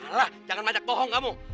ah jangan majak bohong kamu